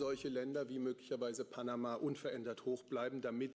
vấn đề đặt ra là nếu hồ sơ panama là câu hỏi chưa có lời giải đáp